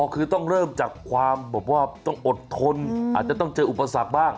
คือต้องเริ่มจากความแบบว่าต้องอดทนอาจจะต้องเจออุปสรรคบ้าง